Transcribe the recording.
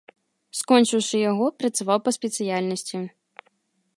Скончыўшы яго, працаваў па спецыяльнасці.